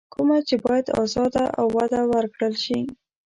کومه چې بايد ازاده او وده ورکړل شي.